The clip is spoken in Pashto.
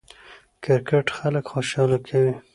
کرکټ خلک خوشحاله کوي.